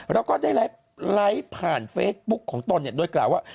แล้วก็ได้ไลฟ์ผ่านเฟซบุ๊กของตนโดยกล่าวว่า